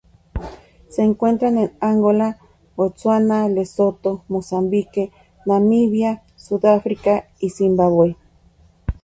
Se encuentra en Angola, Botsuana, Lesoto, Mozambique, Namibia, Sudáfrica, y Zimbabue.